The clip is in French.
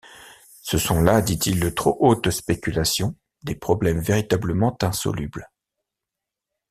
Ce sont là, dit-il, de trop hautes spéculations, des problèmes véritablement insolubles.